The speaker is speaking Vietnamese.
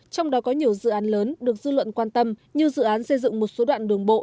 trong đó có nhiều dự án lớn được dư luận quan tâm như dự án xây dựng một số đoạn đường bộ